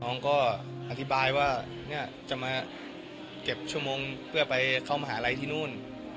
น้องก็อธิบายว่าเนี่ยจะมาเก็บชั่วโมงเพื่อไปเข้ามหาลัยที่นู่น